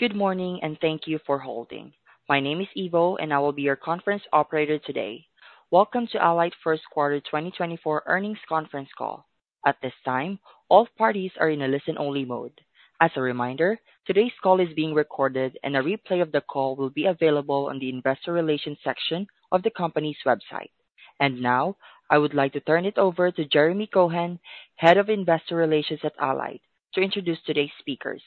Good morning and thank you for holding. My name is Ivo, and I will be your conference operator today. Welcome to Alight First Quarter 2024 Earnings Conference Call. At this time, all parties are in a listen-only mode. As a reminder, today's call is being recorded, and a replay of the call will be available on the Investor Relations section of the company's website. And now, I would like to turn it over to Jeremy Cohen, Head of Investor Relations at Alight, to introduce today's speakers.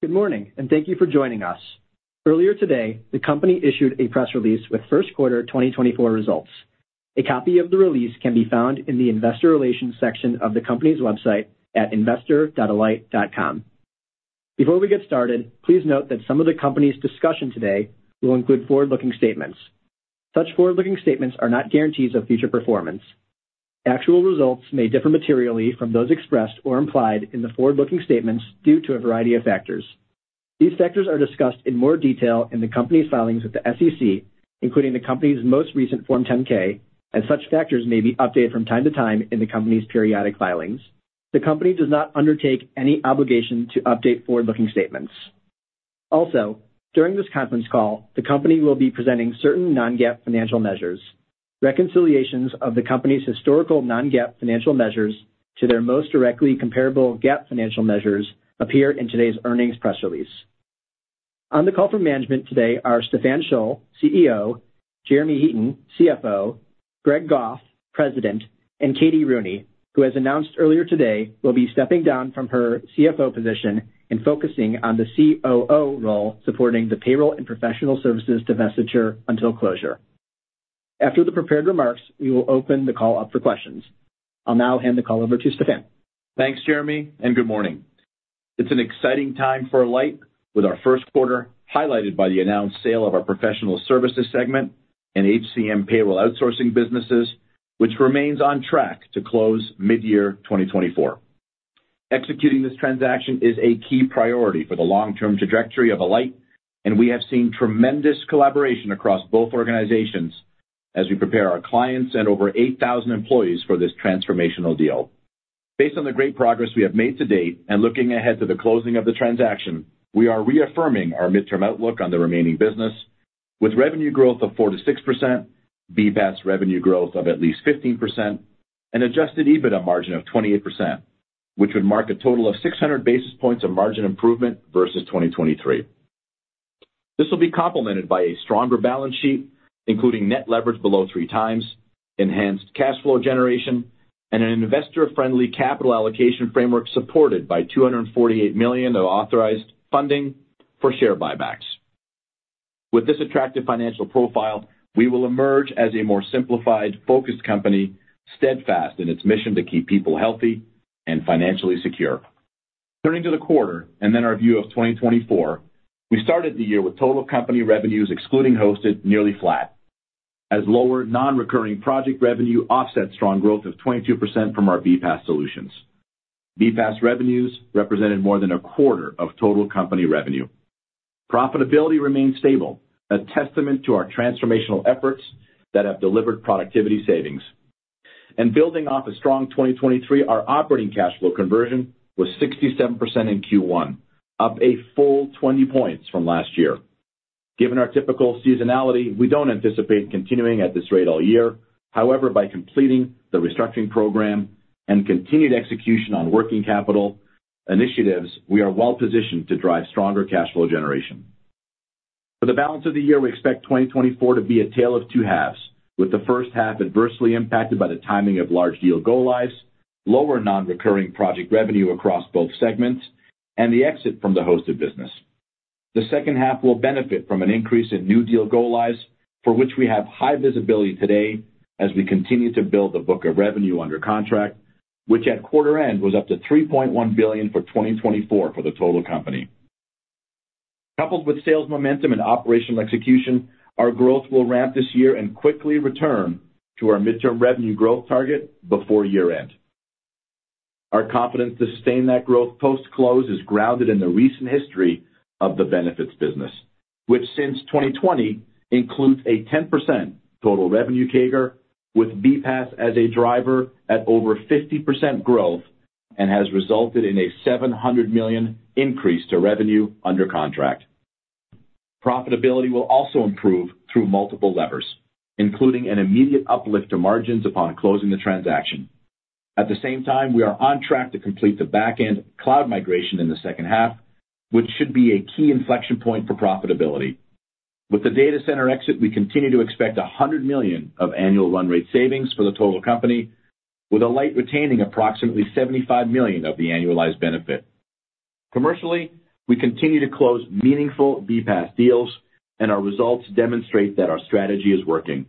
Good morning, and thank you for joining us. Earlier today, the company issued a press release with first quarter 2024 results. A copy of the release can be found in the Investor Relations section of the company's website at investor.alight.com. Before we get started, please note that some of the company's discussion today will include forward-looking statements. Such forward-looking statements are not guarantees of future performance. Actual results may differ materially from those expressed or implied in the forward-looking statements due to a variety of factors. These factors are discussed in more detail in the company's filings with the SEC, including the company's most recent Form 10-K, and such factors may be updated from time to time in the company's periodic filings. The company does not undertake any obligation to update forward-looking statements. Also, during this conference call, the company will be presenting certain non-GAAP financial measures. Reconciliations of the company's historical non-GAAP financial measures to their most directly comparable GAAP financial measures appear in today's earnings press release. On the call for management today are Stephan Scholl, CEO, Jeremy Heaton, CFO, Greg Goff, President, and Katie Rooney, who has announced earlier today will be stepping down from her CFO position and focusing on the COO role supporting the payroll Professional Services divestiture until closure. After the prepared remarks, we will open the call up for questions. I'll now hand the call over to Stephan. Thanks, Jeremy, and good morning. It's an exciting time for Alight with our first quarter highlighted by the announced sale of Professional Services segment and HCM payroll outsourcing businesses, which remains on track to close mid-year 2024. Executing this transaction is a key priority for the long-term trajectory of Alight, and we have seen tremendous collaboration across both organizations as we prepare our clients and over 8,000 employees for this transformational deal. Based on the great progress we have made to date and looking ahead to the closing of the transaction, we are reaffirming our midterm outlook on the remaining business with revenue growth of 4%-6%, BPaaS revenue growth of at least 15%, and adjusted EBITDA margin of 28%, which would mark a total of 600 basis points of margin improvement versus 2023. This will be complemented by a stronger balance sheet, including net leverage below 3x, enhanced cash flow generation, and an investor-friendly capital allocation framework supported by $248 million of authorized funding for share buybacks. With this attractive financial profile, we will emerge as a more simplified, focused company, steadfast in its mission to keep people healthy and financially secure. Turning to the quarter and then our view of 2024, we started the year with total company revenues excluding hosted nearly flat, as lower non-recurring project revenue offset strong growth of 22% from our BPaaS solutions. BPaaS revenues represented more than a quarter of total company revenue. Profitability remained stable, a testament to our transformational efforts that have delivered productivity savings. Building off a strong 2023, our operating cash flow conversion was 67% in Q1, up a full 20 points from last year. Given our typical seasonality, we don't anticipate continuing at this rate all year. However, by completing the restructuring program and continued execution on working capital initiatives, we are well positioned to drive stronger cash flow generation. For the balance of the year, we expect 2024 to be a tale of two halves, with the first half adversely impacted by the timing of large deal go lives, lower non-recurring project revenue across both segments, and the exit from the hosted business. The second half will benefit from an increase in new deal go lives, for which we have high visibility today as we continue to build the book of revenue under contract, which at quarter end was up to $3.1 billion for 2024 for the total company. Coupled with sales momentum and operational execution, our growth will ramp this year and quickly return to our midterm revenue growth target before year end. Our confidence to sustain that growth post-close is grounded in the recent history of the benefits business, which since 2020 includes a 10% total revenue CAGR with BPaaS as a driver at over 50% growth and has resulted in a $700 million increase to revenue under contract. Profitability will also improve through multiple levers, including an immediate uplift to margins upon closing the transaction. At the same time, we are on track to complete the backend cloud migration in the second half, which should be a key inflection point for profitability. With the data center exit, we continue to expect $100 million of annual run rate savings for the total company, with Alight retaining approximately $75 million of the annualized benefit. Commercially, we continue to close meaningful BPaaS deals, and our results demonstrate that our strategy is working.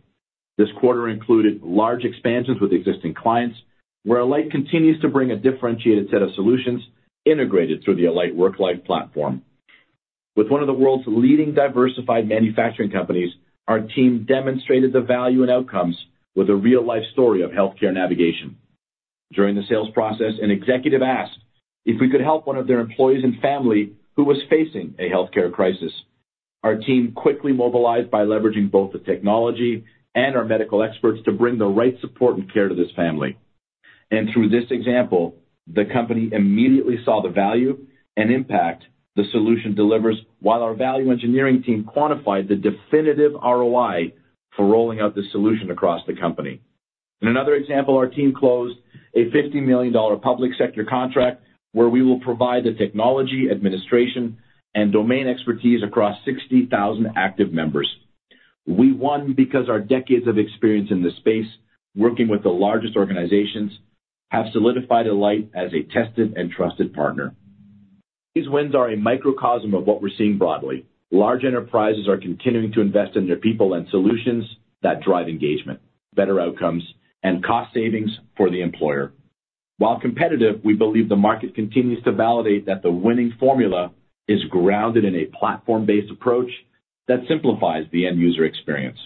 This quarter included large expansions with existing clients, where Alight continues to bring a differentiated set of solutions integrated through the Alight WorkLife platform. With one of the world's leading diversified manufacturing companies, our team demonstrated the value and outcomes with a real-life story of healthcare navigation. During the sales process, an executive asked if we could help one of their employees and family who was facing a healthcare crisis. Our team quickly mobilized by leveraging both the technology and our medical experts to bring the right support and care to this family. And through this example, the company immediately saw the value and impact the solution delivers while our value engineering team quantified the definitive ROI for rolling out the solution across the company. In another example, our team closed a $50 million public sector contract where we will provide the technology, administration, and domain expertise across 60,000 active members. We won because our decades of experience in this space, working with the largest organizations, have solidified Alight as a tested and trusted partner. These wins are a microcosm of what we're seeing broadly. Large enterprises are continuing to invest in their people and solutions that drive engagement, better outcomes, and cost savings for the employer. While competitive, we believe the market continues to validate that the winning formula is grounded in a platform-based approach that simplifies the end user experience.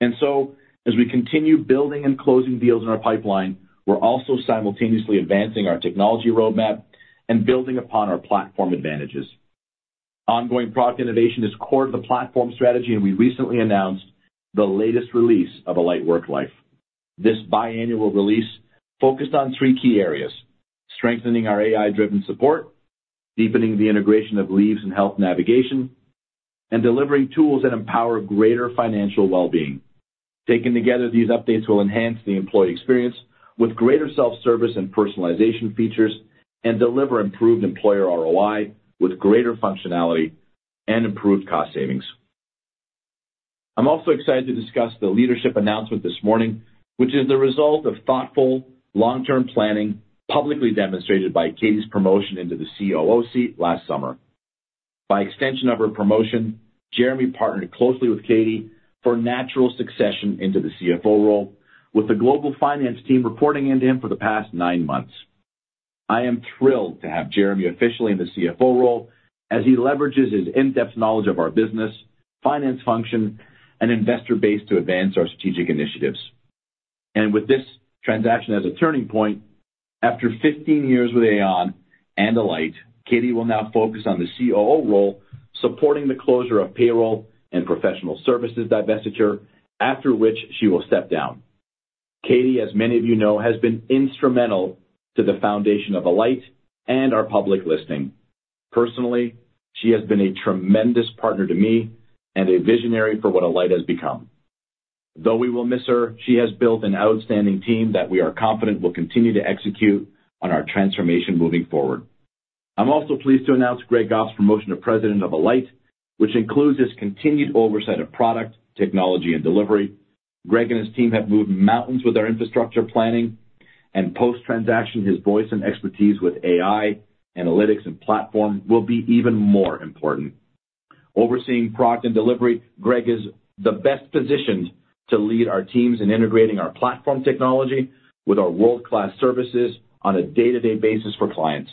And so, as we continue building and closing deals in our pipeline, we're also simultaneously advancing our technology roadmap and building upon our platform advantages. Ongoing product innovation is core to the platform strategy, and we recently announced the latest release of Alight WorkLife. This biannual release focused on three key areas: strengthening our AI-driven support, deepening the integration of leaves and health navigation, and delivering tools that empower greater financial well-being. Taken together, these updates will enhance the employee experience with greater self-service and personalization features and deliver improved employer ROI with greater functionality and improved cost savings. I'm also excited to discuss the leadership announcement this morning, which is the result of thoughtful, long-term planning publicly demonstrated by Katie's promotion into the COO seat last summer. By extension of her promotion, Jeremy partnered closely with Katie for natural succession into the CFO role, with the global finance team reporting in to him for the past nine months. I am thrilled to have Jeremy officially in the CFO role as he leverages his in-depth knowledge of our business, finance function, and investor base to advance our strategic initiatives. With this transaction as a turning point, after 15 years with Aon and Alight, Katie will now focus on the COO role supporting the closure of payroll and Professional Services divestiture, after which she will step down. Katie, as many of you know, has been instrumental to the foundation of Alight and our public listing. Personally, she has been a tremendous partner to me and a visionary for what Alight has become. Though we will miss her, she has built an outstanding team that we are confident will continue to execute on our transformation moving forward. I'm also pleased to announce Greg Goff's promotion to President of Alight, which includes his continued oversight of product, technology, and delivery. Greg and his team have moved mountains with our infrastructure planning, and post-transaction, his voice and expertise with AI, analytics, and platform will be even more important. Overseeing product and delivery, Greg is the best positioned to lead our teams in integrating our platform technology with our world-class services on a day-to-day basis for clients.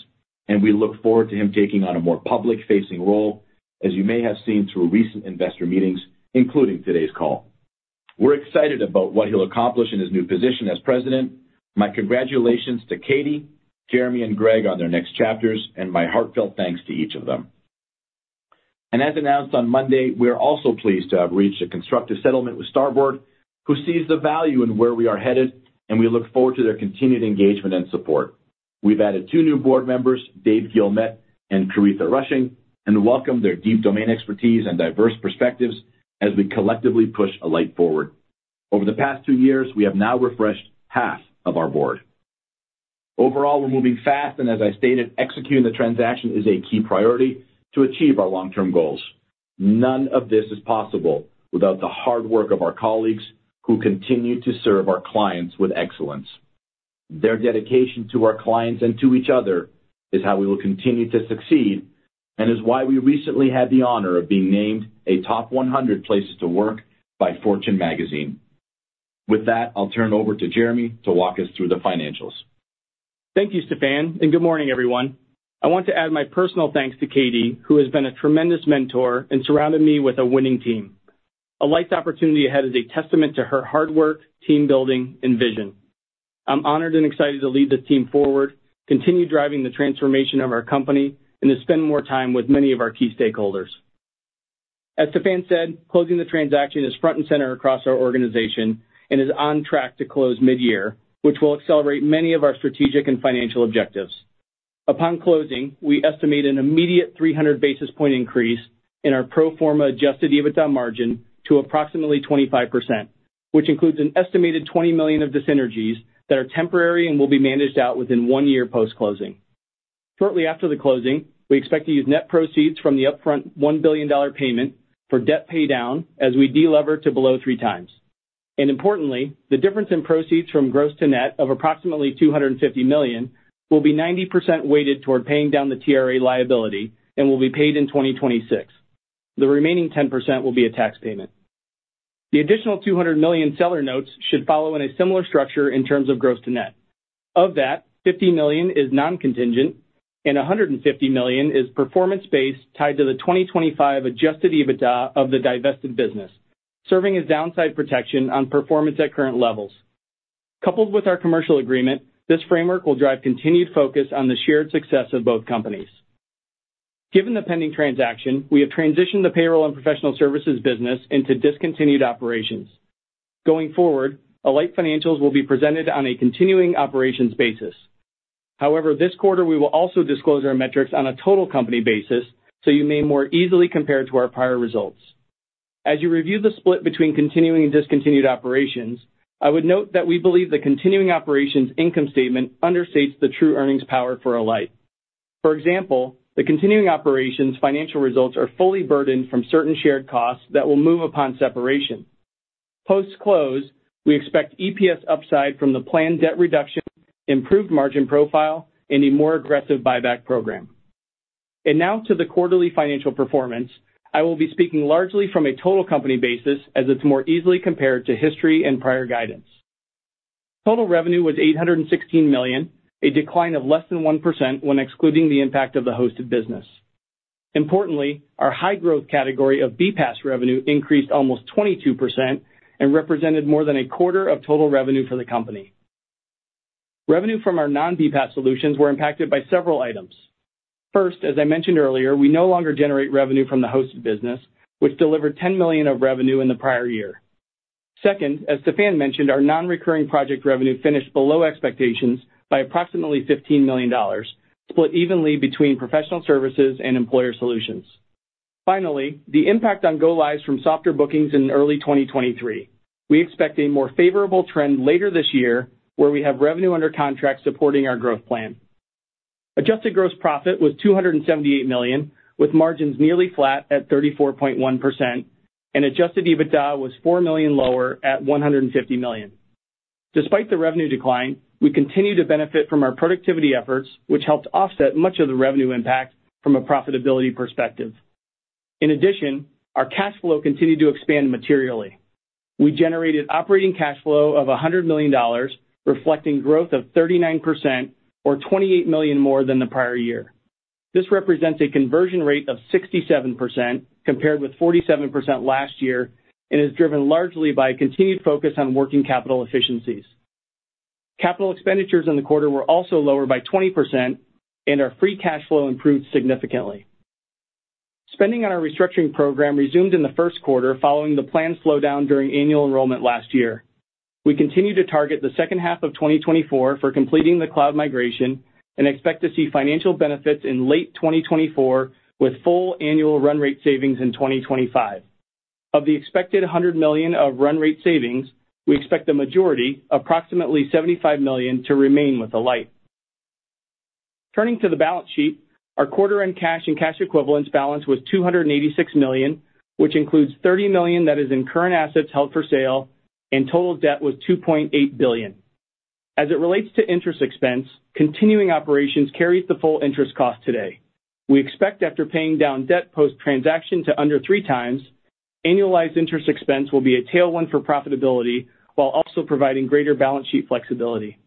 We look forward to him taking on a more public-facing role, as you may have seen through recent investor meetings, including today's call. We're excited about what he'll accomplish in his new position as President. My congratulations to Katie, Jeremy, and Greg on their next chapters, and my heartfelt thanks to each of them. As announced on Monday, we are also pleased to have reached a constructive settlement with Starboard, who sees the value in where we are headed, and we look forward to their continued engagement and support. We've added two new board members, Dave Guilmette and Coretha Rushing, and welcome their deep domain expertise and diverse perspectives as we collectively push Alight forward. Over the past two years, we have now refreshed half of our board. Overall, we're moving fast, and as I stated, executing the transaction is a key priority to achieve our long-term goals. None of this is possible without the hard work of our colleagues who continue to serve our clients with excellence. Their dedication to our clients and to each other is how we will continue to succeed and is why we recently had the honor of being named a top 100 places to work by Fortune Magazine. With that, I'll turn over to Jeremy to walk us through the financials. Thank you, Stephan, and good morning, everyone. I want to add my personal thanks to Katie, who has been a tremendous mentor and surrounded me with a winning team. Alight's opportunity ahead is a testament to her hard work, team building, and vision. I'm honored and excited to lead this team forward, continue driving the transformation of our company, and to spend more time with many of our key stakeholders. As Stephan said, closing the transaction is front and center across our organization and is on track to close mid-year, which will accelerate many of our strategic and financial objectives. Upon closing, we estimate an immediate 300 basis point increase in our pro forma adjusted EBITDA margin to approximately 25%, which includes an estimated $20 million of dis-synergies that are temporary and will be managed out within one year post-closing. Shortly after the closing, we expect to use net proceeds from the upfront $1 billion payment for debt pay down as we de-lever to below 3x. Importantly, the difference in proceeds from gross to net of approximately $250 million will be 90% weighted toward paying down the TRA liability and will be paid in 2026. The remaining 10% will be a tax payment. The additional $200 million seller notes should follow in a similar structure in terms of gross to net. Of that, $50 million is non-contingent, and $150 million is performance-based tied to the 2025 adjusted EBITDA of the divested business, serving as downside protection on performance at current levels. Coupled with our commercial agreement, this framework will drive continued focus on the shared success of both companies. Given the pending transaction, we have transitioned the payroll and Professional Services business into discontinued operations. Going forward, Alight financials will be presented on a continuing operations basis. However, this quarter, we will also disclose our metrics on a total company basis so you may more easily compare to our prior results. As you review the split between continuing and discontinued operations, I would note that we believe the continuing operations income statement understates the true earnings power for Alight. For example, the continuing operations financial results are fully burdened from certain shared costs that will move upon separation. Post-close, we expect EPS upside from the planned debt reduction, improved margin profile, and a more aggressive buyback program. Now to the quarterly financial performance, I will be speaking largely from a total company basis as it's more easily compared to history and prior guidance. Total revenue was $816 million, a decline of less than 1% when excluding the impact of the hosted business. Importantly, our high growth category of BPaaS revenue increased almost 22% and represented more than a quarter of total revenue for the company. Revenue from our non-BPaaS solutions were impacted by several items. First, as I mentioned earlier, we no longer generate revenue from the hosted business, which delivered $10 million of revenue in the prior year. Second, as Stephan mentioned, our non-recurring project revenue finished below expectations by approximately $15 million, split evenly between Professional Services and Employer Solutions. Finally, the impact on go lives from softer bookings in early 2023. We expect a more favorable trend later this year where we have revenue under contract supporting our growth plan. Adjusted gross profit was $278 million, with margins nearly flat at 34.1%, and adjusted EBITDA was $4 million lower at $150 million. Despite the revenue decline, we continue to benefit from our productivity efforts, which helped offset much of the revenue impact from a profitability perspective. In addition, our cash flow continued to expand materially. We generated operating cash flow of $100 million, reflecting growth of 39% or $28 million more than the prior year. This represents a conversion rate of 67% compared with 47% last year and is driven largely by continued focus on working capital efficiencies. Capital expenditures in the quarter were also lower by 20%, and our free cash flow improved significantly. Spending on our restructuring program resumed in the first quarter following the planned slowdown during annual enrollment last year. We continue to target the second half of 2024 for completing the cloud migration and expect to see financial benefits in late 2024 with full annual run rate savings in 2025. Of the expected $100 million of run rate savings, we expect the majority, approximately $75 million, to remain with Alight. Turning to the balance sheet, our quarter-end cash and cash equivalents balance was $286 million, which includes $30 million that is in current assets held for sale, and total debt was $2.8 billion. As it relates to interest expense, continuing operations carries the full interest cost today. We expect after paying down debt post-transaction to under 3x, annualized interest expense will be a tailwind for profitability while also providing greater balance sheet flexibility.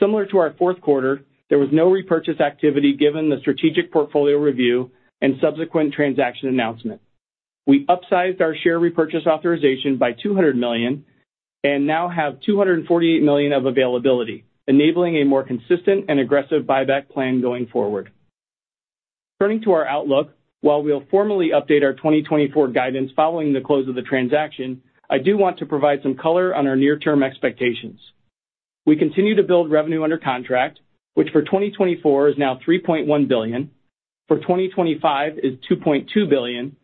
Similar to our fourth quarter, there was no repurchase activity given the strategic portfolio review and subsequent transaction announcement. We upsized our share repurchase authorization by $200 million and now have $248 million of availability, enabling a more consistent and aggressive buyback plan going forward. Turning to our outlook, while we'll formally update our 2024 guidance following the close of the transaction, I do want to provide some color on our near-term expectations. We continue to build revenue under contract, which for 2024 is now $3.1 billion, for 2025 is $2.2 billion,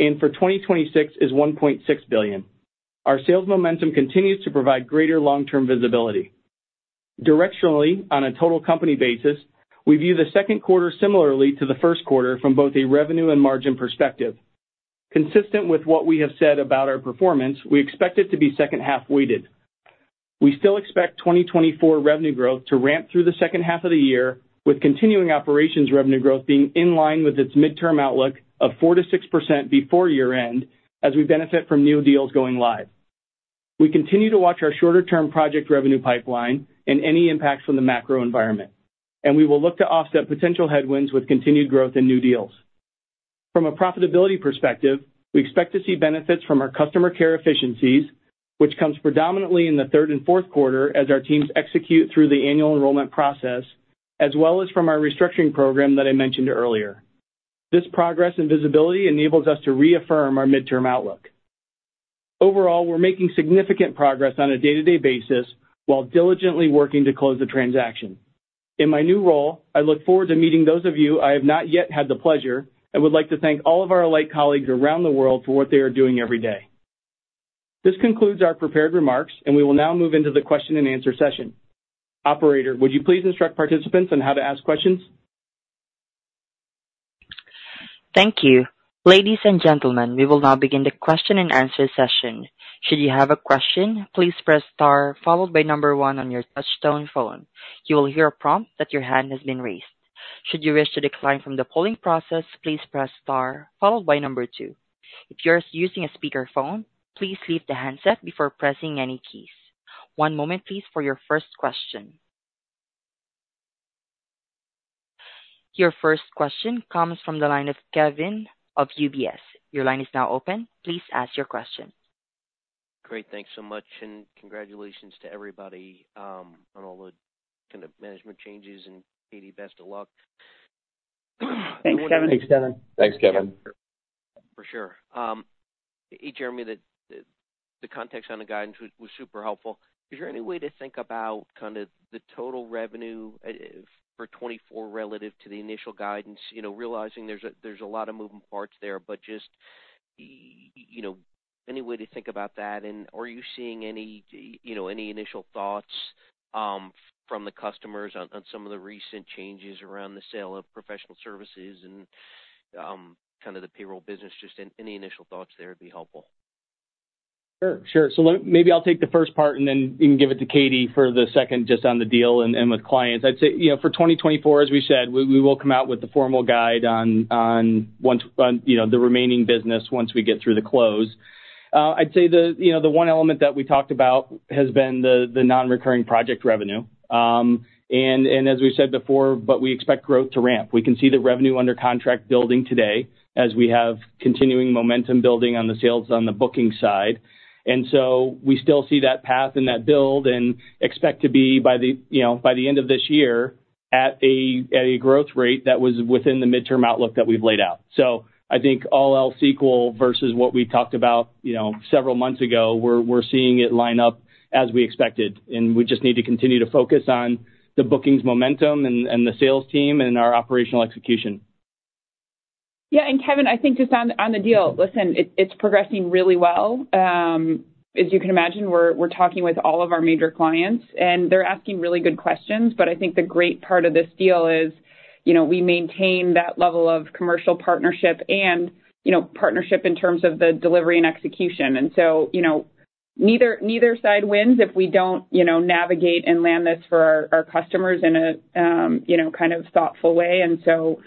and for 2026 is $1.6 billion. Our sales momentum continues to provide greater long-term visibility. Directionally, on a total company basis, we view the second quarter similarly to the first quarter from both a revenue and margin perspective. Consistent with what we have said about our performance, we expect it to be second half weighted. We still expect 2024 revenue growth to ramp through the second half of the year, with continuing operations revenue growth being in line with its midterm outlook of 4%-6% before year-end as we benefit from new deals going live. We continue to watch our shorter-term project revenue pipeline and any impacts from the macro environment, and we will look to offset potential headwinds with continued growth in new deals. From a profitability perspective, we expect to see benefits from our customer care efficiencies, which comes predominantly in the third and fourth quarter as our teams execute through the annual enrollment process, as well as from our restructuring program that I mentioned earlier. This progress and visibility enables us to reaffirm our midterm outlook. Overall, we're making significant progress on a day-to-day basis while diligently working to close the transaction. In my new role, I look forward to meeting those of you I have not yet had the pleasure and would like to thank all of our Alight colleagues around the world for what they are doing every day. This concludes our prepared remarks, and we will now move into the question-and-answer session. Operator, would you please instruct participants on how to ask questions? Thank you. Ladies and gentlemen, we will now begin the question-and-answer session. Should you have a question, please press star followed by 1 on your touch-tone phone. You will hear a prompt that your hand has been raised. Should you wish to decline from the polling process, please press star followed by 2. If you are using a speakerphone, please leave the handset before pressing any keys. One moment, please, for your first question. Your first question comes from the line of Kevin of UBS. Your line is now open. Please ask your question. Great. Thanks so much, and congratulations to everybody on all the kind of management changes, and Katie, best of luck. Thanks, Kevin. Thanks, Kevin. For sure. Jeremy, the context on the guidance was super helpful. Is there any way to think about kind of the total revenue for 2024 relative to the initial guidance, realizing there's a lot of moving parts there, but just any way to think about that? And are you seeing any initial thoughts from the customers on some of the recent changes around the sale of Professional Services and kind of the payroll business? Just any initial thoughts there would be helpful. Sure. Sure. So maybe I'll take the first part, and then you can give it to Katie for the second just on the deal and with clients. I'd say for 2024, as we said, we will come out with the formal guide on the remaining business once we get through the close. I'd say the one element that we talked about has been the non-recurring project revenue. And as we said before, but we expect growth to ramp. We can see the revenue under contract building today as we have continuing momentum building on the sales on the booking side. And so we still see that path and that build and expect to be by the end of this year at a growth rate that was within the midterm outlook that we've laid out. I think all else equal versus what we talked about several months ago, we're seeing it line up as we expected. We just need to continue to focus on the bookings momentum and the sales team and our operational execution. Yeah. And Kevin, I think just on the deal, listen, it's progressing really well. As you can imagine, we're talking with all of our major clients, and they're asking really good questions. But I think the great part of this deal is we maintain that level of commercial partnership and partnership in terms of the delivery and execution. And so neither side wins if we don't navigate and land this for our customers in a kind of thoughtful way. And so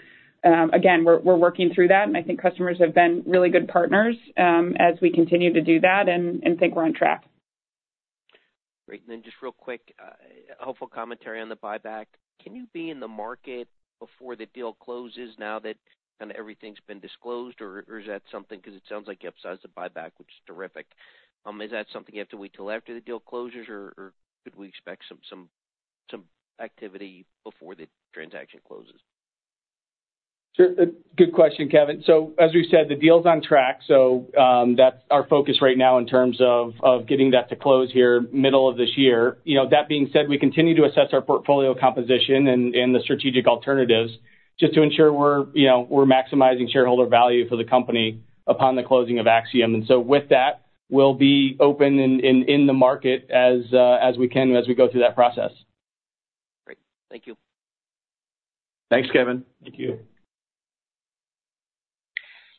again, we're working through that, and I think customers have been really good partners as we continue to do that and think we're on track. Great. And then just real quick, hopeful commentary on the buyback. Can you be in the market before the deal closes now that kind of everything's been disclosed, or is that something because it sounds like you upsized the buyback, which is terrific? Is that something you have to wait till after the deal closes, or could we expect some activity before the transaction closes? Sure. Good question, Kevin. So as we said, the deal's on track. So that's our focus right now in terms of getting that to close here, middle of this year. That being said, we continue to assess our portfolio composition and the strategic alternatives just to ensure we're maximizing shareholder value for the company upon the closing of Axiom. And so with that, we'll be open in the market as we can as we go through that process. Great. Thank you. Thanks, Kevin. Thank you.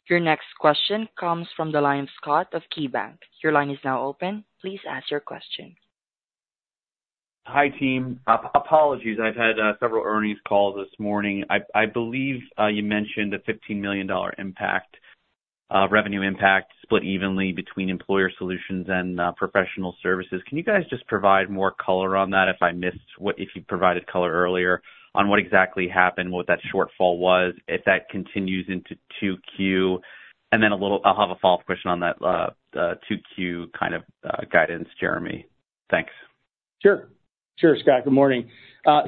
Your next question comes from the line of Scott of KeyBanc. Your line is now open. Please ask your question. Hi, team. Apologies. I've had several earnings calls this morning. I believe you mentioned the $15 million revenue impact split evenly between Employer Solutions and Professional Services. Can you guys just provide more color on that if I missed if you provided color earlier on what exactly happened, what that shortfall was, if that continues into 2Q? And then I'll have a follow-up question on that 2Q kind of guidance, Jeremy. Thanks. Sure. Sure, Scott. Good morning.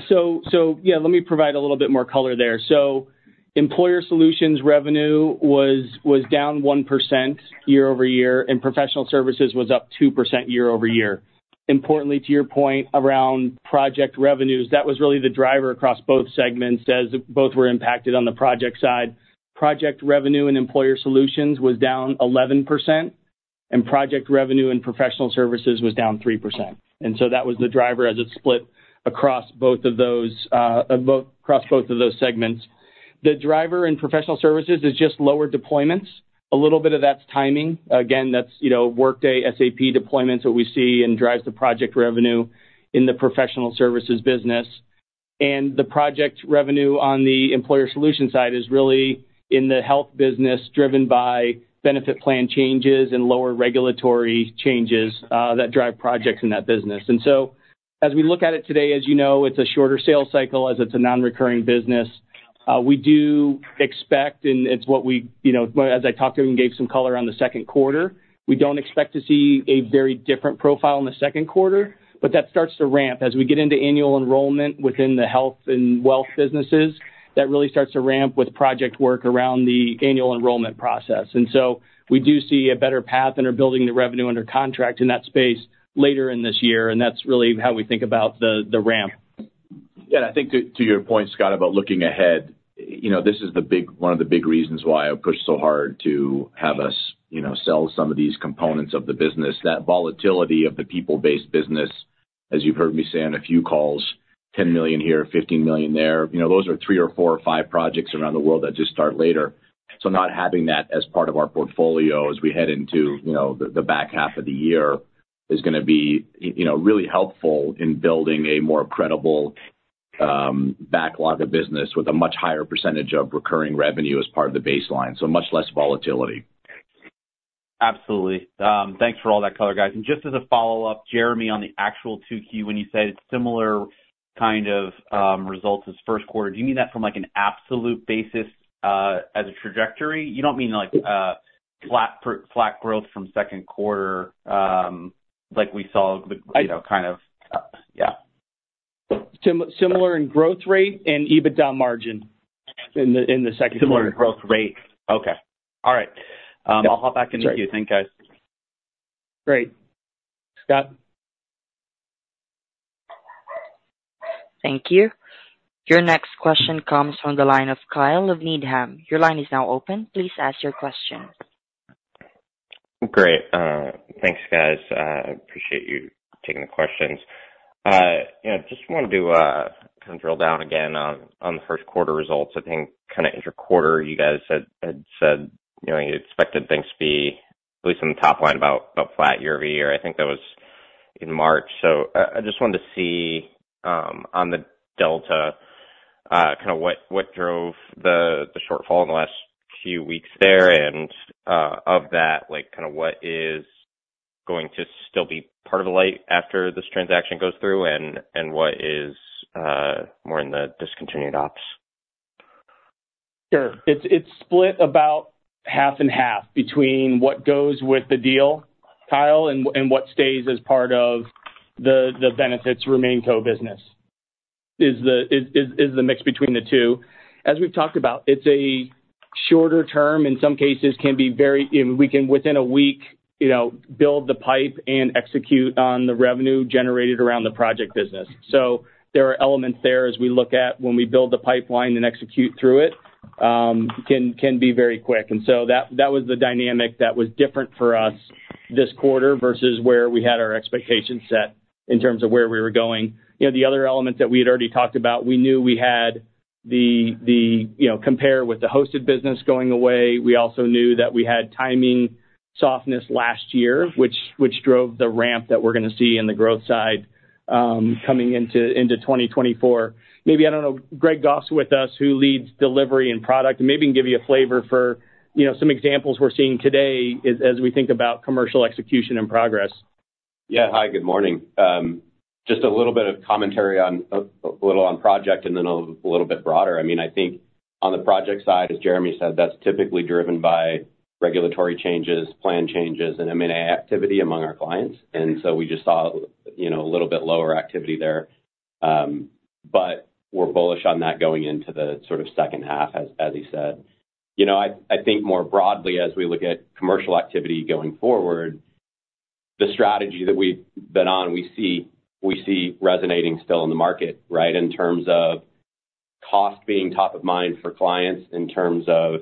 So yeah, let me provide a little bit more color there. So Employer Solutions revenue was down 1% year-over-year, and Professional Services was up 2% year-over-year. Importantly, to your point around project revenues, that was really the driver across both segments as both were impacted on the project side. Project revenue in Employer Solutions was down 11%, and project revenue in Professional Services was down 3%. And so that was the driver as it split across both of those across both of those segments. The driver in Professional Services is just lower deployments. A little bit of that's timing. Again, that's Workday SAP deployments that we see and drives the project revenue in the Professional Services business. The project revenue on the employer solution side is really in the health business driven by benefit plan changes and lower regulatory changes that drive projects in that business. And so as we look at it today, as you know, it's a shorter sales cycle as it's a non-recurring business. We do expect, and it's what we as I talked to him and gave some color on the second quarter, we don't expect to see a very different profile in the second quarter. But that starts to ramp as we get into annual enrollment within the health and wealth businesses. That really starts to ramp with project work around the annual enrollment process. And so we do see a better path under building the revenue under contract in that space later in this year. And that's really how we think about the ramp. Yeah. And I think to your point, Scott, about looking ahead, this is one of the big reasons why I pushed so hard to have us sell some of these components of the business. That volatility of the people-based business, as you've heard me say on a few calls, $10 million here, $15 million there, those are three or four or five projects around the world that just start later. So not having that as part of our portfolio as we head into the back half of the year is going to be really helpful in building a more credible backlog of business with a much higher percentage of recurring revenue as part of the baseline, so much less volatility. Absolutely. Thanks for all that color, guys. Just as a follow-up, Jeremy, on the actual 2Q, when you said it's similar kind of results as first quarter, do you mean that from an absolute basis as a trajectory? You don't mean flat growth from second quarter like we saw kind of yeah? Similar in growth rate and EBITDA margin in the second quarter. Similar in growth rate. Okay. All right. I'll hop back into you. Thanks, guys. Great. Scott? Thank you. Your next question comes from the line of Kyle of Needham. Your line is now open. Please ask your question. Great. Thanks, guys. I appreciate you taking the questions. Just wanted to kind of drill down again on the first quarter results. I think kind of interquarter, you guys had said you expected things to be, at least on the top line, about flat year-over-year. I think that was in March. So I just wanted to see on the delta kind of what drove the shortfall in the last few weeks there. And of that, kind of what is going to still be part of Alight after this transaction goes through, and what is more in the discontinued ops? Sure. It's split about half and half between what goes with the deal, Kyle, and what stays as part of the benefits remaining core business is the mix between the two. As we've talked about, it's a shorter term. In some cases, can be very within a week, build the pipeline and execute on the revenue generated around the project business. So there are elements there as we look at when we build the pipeline and execute through it can be very quick. And so that was the dynamic that was different for us this quarter versus where we had our expectations set in terms of where we were going. The other elements that we had already talked about, we knew we had the comp with the hosted business going away. We also knew that we had timing softness last year, which drove the ramp that we're going to see in the growth side coming into 2024. Maybe, I don't know, Greg Goff's with us who leads delivery and product. Maybe he can give you a flavor for some examples we're seeing today as we think about commercial execution and progress. Yeah. Hi. Good morning. Just a little bit of commentary, a little on project and then a little bit broader. I mean, I think on the project side, as Jeremy said, that's typically driven by regulatory changes, plan changes, and M&A activity among our clients. And so we just saw a little bit lower activity there. But we're bullish on that going into the sort of second half, as he said. I think more broadly, as we look at commercial activity going forward, the strategy that we've been on, we see resonating still in the market, right, in terms of cost being top of mind for clients, in terms of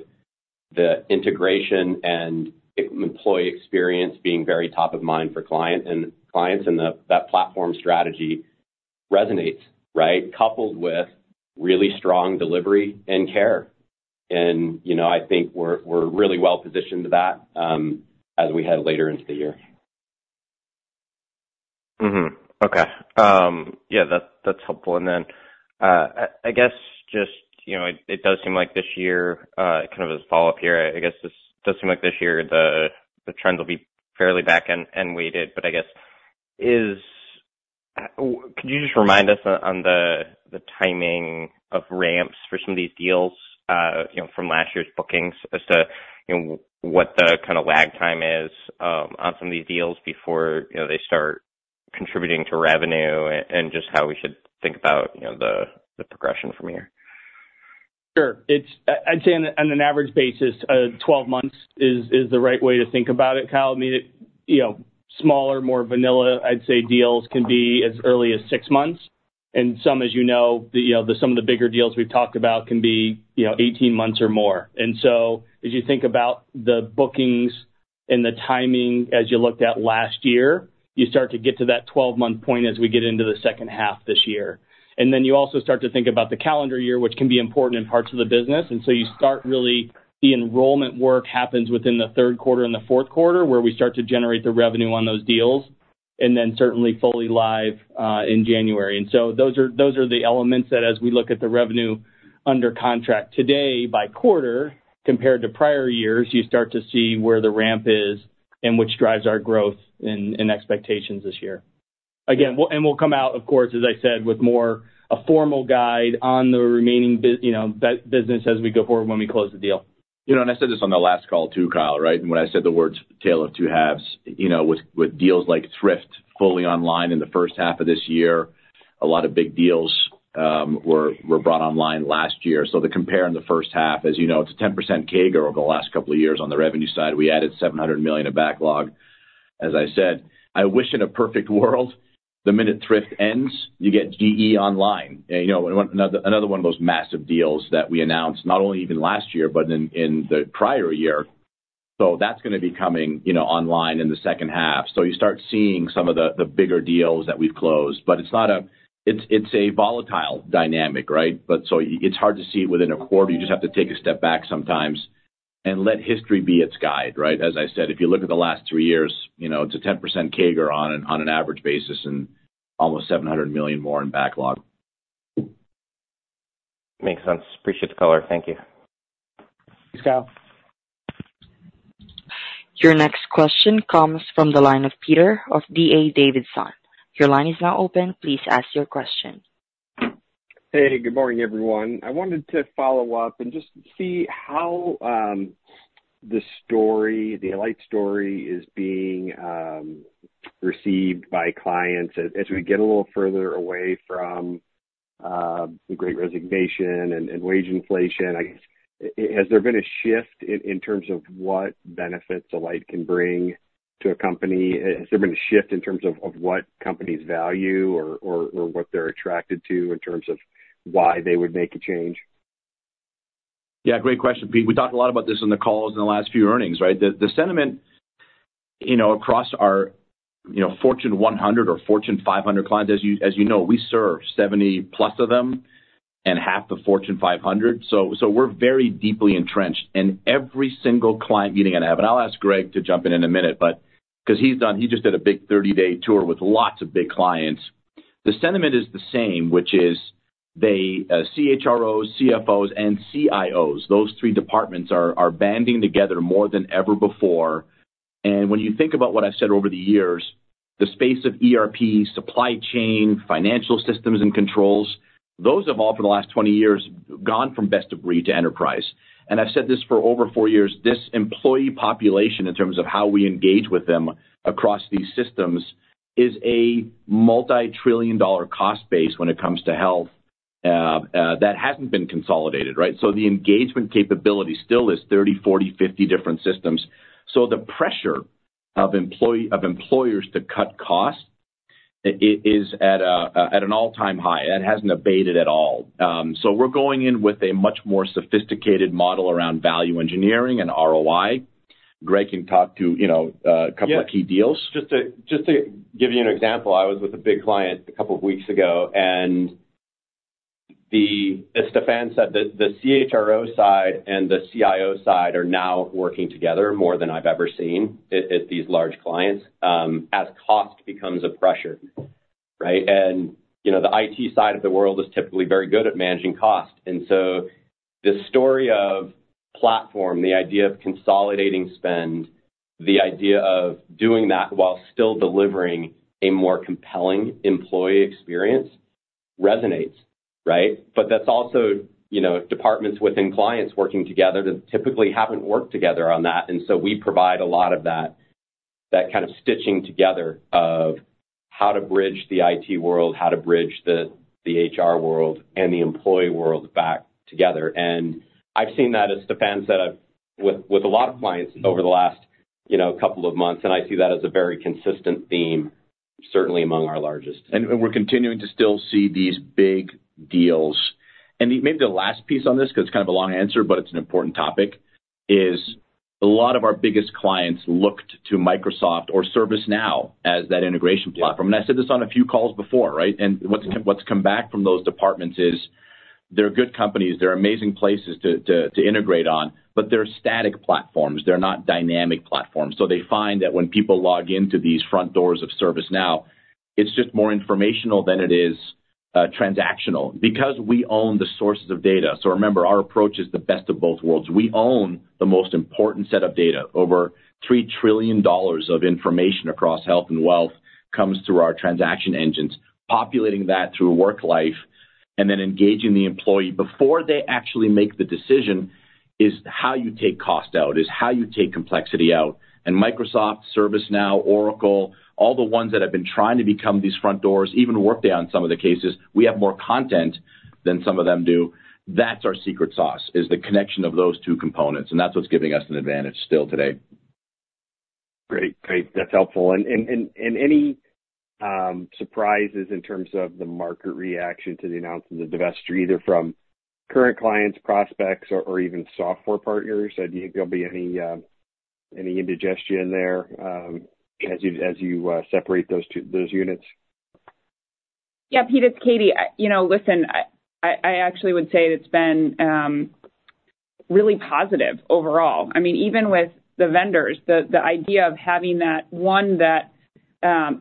the integration and employee experience being very top of mind for clients. And that platform strategy resonates, right, coupled with really strong delivery and care. And I think we're really well-positioned to that as we head later into the year. Okay. Yeah. That's helpful. And then I guess just it does seem like this year kind of as a follow-up here, I guess this does seem like this year the trends will be fairly back-end weighted. But I guess could you just remind us on the timing of ramps for some of these deals from last year's bookings as to what the kind of lag time is on some of these deals before they start contributing to revenue and just how we should think about the progression from here? Sure. I'd say on an average basis, 12 months is the right way to think about it, Kyle. I mean, smaller, more vanilla, I'd say, deals can be as early as six months. And some, as you know, some of the bigger deals we've talked about can be 18 months or more. And so as you think about the bookings and the timing as you looked at last year, you start to get to that 12-month point as we get into the second half this year. And then you also start to think about the calendar year, which can be important in parts of the business. And so you start really the enrollment work happens within the third quarter and the fourth quarter where we start to generate the revenue on those deals and then certainly fully live in January. And so those are the elements that as we look at the revenue under contract today by quarter compared to prior years, you start to see where the ramp is and which drives our growth and expectations this year. Again, and we'll come out, of course, as I said, with more of a formal guide on the remaining business as we go forward when we close the deal. I said this on the last call too, Kyle, right? When I said the words tale of two halves, with deals like Thrift fully online in the first half of this year, a lot of big deals were brought online last year. The compare in the first half, as you know, it's a 10% CAGR over the last couple of years on the revenue side. We added $700 million of backlog, as I said. I wish in a perfect world, the minute Thrift ends, you get GE online, another one of those massive deals that we announced not only even last year but in the prior year. That's going to be coming online in the second half. You start seeing some of the bigger deals that we've closed. But it's a volatile dynamic, right? It's hard to see it within a quarter. You just have to take a step back sometimes and let history be its guide, right? As I said, if you look at the last three years, it's a 10% CAGR on an average basis and almost $700 million more in backlog. Makes sense. Appreciate the color. Thank you. Thanks, Kyle. Your next question comes from the line of Peter of D.A. Davidson. Your line is now open. Please ask your question. Hey. Good morning, everyone. I wanted to follow up and just see how the story, the Alight story, is being received by clients as we get a little further away from the Great Resignation and wage inflation. I guess has there been a shift in terms of what benefits Alight can bring to a company? Has there been a shift in terms of what companies value or what they're attracted to in terms of why they would make a change? Yeah. Great question, Pete. We talked a lot about this in the calls and the last few earnings, right? The sentiment across our Fortune 100 or Fortune 500 clients, as you know, we serve 70-plus of them and half the Fortune 500. So we're very deeply entrenched. And every single client meeting I have and I'll ask Greg to jump in in a minute because he just did a big 30-day tour with lots of big clients. The sentiment is the same, which is CHROs, CFOs, and CIOs. Those three departments are banding together more than ever before. And when you think about what I've said over the years, the space of ERP, supply chain, financial systems, and controls, those have all for the last 20 years gone from best of breed to enterprise. And I've said this for over four years. This employee population, in terms of how we engage with them across these systems, is a multi-trillion-dollar cost base when it comes to health that hasn't been consolidated, right? So the engagement capability still is 30, 40, 50 different systems. So the pressure of employers to cut cost is at an all-time high. That hasn't abated at all. So we're going in with a much more sophisticated model around value engineering and ROI. Greg can talk to a couple of key deals. Just to give you an example, I was with a big client a couple of weeks ago. And as Stephan said, the CHRO side and the CIO side are now working together more than I've ever seen at these large clients as cost becomes a pressure, right? And the IT side of the world is typically very good at managing cost. And so this story of platform, the idea of consolidating spend, the idea of doing that while still delivering a more compelling employee experience resonates, right? But that's also departments within clients working together that typically haven't worked together on that. And so we provide a lot of that kind of stitching together of how to bridge the IT world, how to bridge the HR world, and the employee world back together. I've seen that, as Stephan said, with a lot of clients over the last couple of months. I see that as a very consistent theme, certainly among our largest. We're continuing to still see these big deals. Maybe the last piece on this because it's kind of a long answer, but it's an important topic, is a lot of our biggest clients looked to Microsoft or ServiceNow as that integration platform. I said this on a few calls before, right? What's come back from those departments is they're good companies. They're amazing places to integrate on. But they're static platforms. They're not dynamic platforms. So they find that when people log into these front doors of ServiceNow, it's just more informational than it is transactional because we own the sources of data. So remember, our approach is the best of both worlds. We own the most important set of data. Over $3 trillion of information across health and wealth comes through our transaction engines, populating that through Worklife, and then engaging the employee before they actually make the decision is how you take cost out, is how you take complexity out. And Microsoft, ServiceNow, Oracle, all the ones that have been trying to become these front doors, even Workday on some of the cases, we have more content than some of them do. That's our secret sauce, is the connection of those two components. And that's what's giving us an advantage still today. Great. Great. That's helpful. Any surprises in terms of the market reaction to the announcement of divestiture, either from current clients, prospects, or even software partners? Do you think there'll be any indigestion there as you separate those units? Yeah, Pete. It's Katie. Listen, I actually would say it's been really positive overall. I mean, even with the vendors, the idea of having that, one, that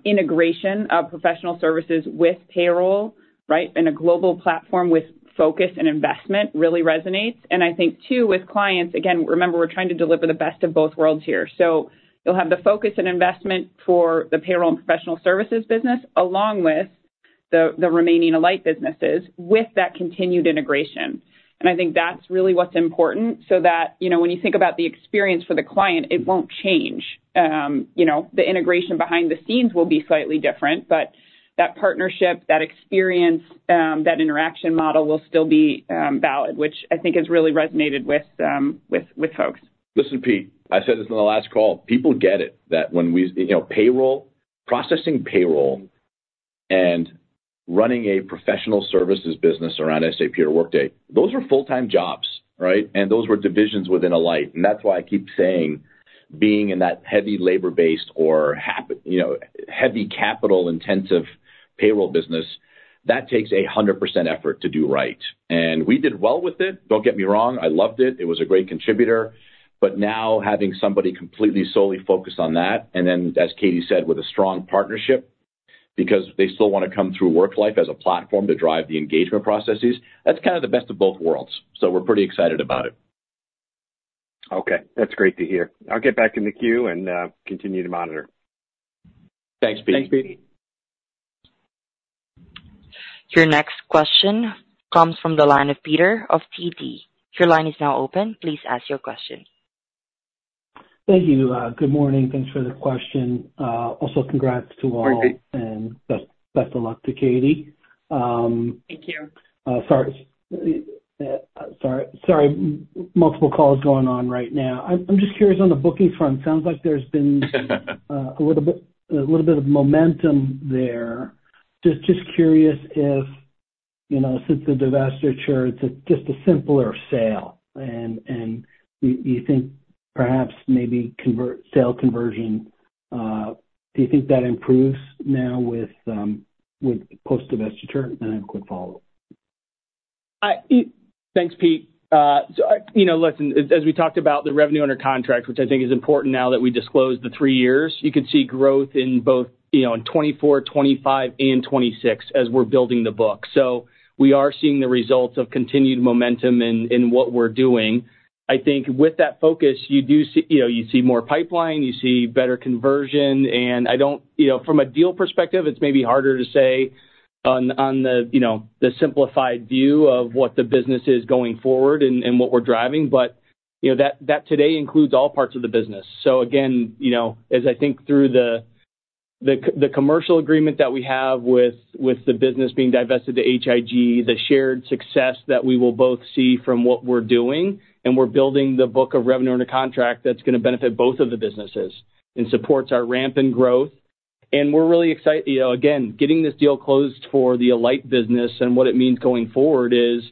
integration of Professional Services with payroll, right, and a global platform with focus and investment really resonates. And I think, two, with clients, again, remember, we're trying to deliver the best of both worlds here. So you'll have the focus and investment for the payroll and Professional Services business along with the remaining Alight businesses with that continued integration. And I think that's really what's important so that when you think about the experience for the client, it won't change. The integration behind the scenes will be slightly different. But that partnership, that experience, that interaction model will still be valid, which I think has really resonated with folks. Listen, Pete, I said this on the last call. People get it that when we're processing payroll and running a Professional Services business around SAP or Workday, those are full-time jobs, right? And those were divisions within Alight. And that's why I keep saying being in that heavy labor-based or heavy capital-intensive payroll business, that takes a 100% effort to do right. And we did well with it. Don't get me wrong. I loved it. It was a great contributor. But now having somebody completely, solely focused on that, and then, as Katie said, with a strong partnership because they still want to come through Worklife as a platform to drive the engagement processes, that's kind of the best of both worlds. So we're pretty excited about it. Okay. That's great to hear. I'll get back in the queue and continue to monitor. Thanks, Pete. Thanks, Pete. Your next question comes from the line of Peter of Citi. Your line is now open. Please ask your question. Thank you. Good morning. Thanks for the question. Also, congrats to all. Best of luck to Katie. Thank you. Multiple calls going on right now. I'm just curious on the bookings front. Sounds like there's been a little bit of momentum there. Just curious if since the divestiture churn, it's just a simpler sale. And you think perhaps maybe sale conversion, do you think that improves now with post-divestiture churn? I have a quick follow-up. Thanks, Pete. Listen, as we talked about the revenue under contract, which I think is important now that we disclose the three years, you could see growth in both 2024, 2025, and 2026 as we're building the book. So we are seeing the results of continued momentum in what we're doing. I think with that focus, you do see you see more pipeline. You see better conversion. And from a deal perspective, it's maybe harder to say on the simplified view of what the business is going forward and what we're driving. But that today includes all parts of the business. So again, as I think through the commercial agreement that we have with the business being divested to H.I.G., the shared success that we will both see from what we're doing, and we're building the book of revenue under contract that's going to benefit both of the businesses and supports our ramp and growth. And we're really excited, again, getting this deal closed for the Alight business, and what it means going forward is